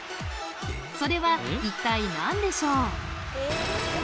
それは一体何でしょう？